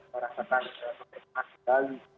merangkapkan ke pemerintahan di bali